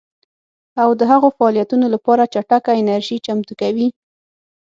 او د هغو فعالیتونو لپاره چټکه انرژي چمتو کوي